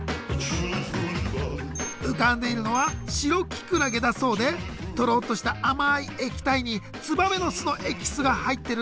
浮かんでいるのは白きくらげだそうでトロッとした甘い液体にツバメの巣のエキスが入ってるんだって。